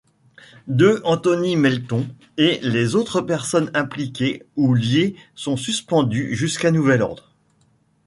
De'Anthony Melton et les autres personnes impliquées ou liées sont suspendues jusqu'à nouvel ordre.